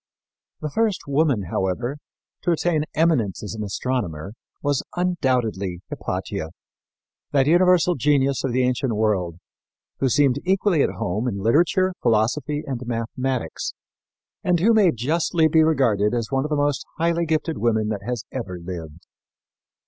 The first woman, however, to attain eminence as an astronomer was undoubtedly Hypatia, that universal genius of the ancient world, who seemed equally at home in literature, philosophy and mathematics, and who may justly be regarded as one of the most highly gifted women that has ever lived.